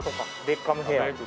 ベッカムヘア。